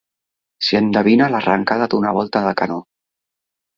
S'hi endevina l'arrencada d'una volta de canó.